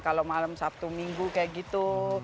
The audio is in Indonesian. kalau malam sabtu minggu kayak gitu